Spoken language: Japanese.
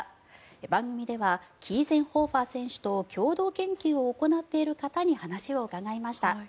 番組ではキーゼンホーファー選手と共同研究を行っている方に話を伺いました。